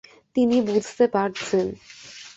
তিনি বুঝতে পারছেন।